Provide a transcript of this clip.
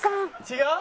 違う？